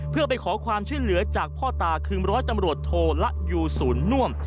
เพื่อไปขอความช่วยเหลือจากพ่อตาคือร้อยตำรวจโทละยูศูนย์น่วม